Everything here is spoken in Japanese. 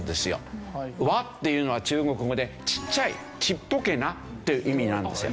倭っていうのは中国語で「ちっちゃい」「ちっぽけな」っていう意味なんですよ。